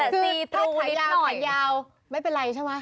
อ๋อเหรอแต่สีตรูนิดหน่อยถ้าขายยาวไม่เป็นไรใช่ไหม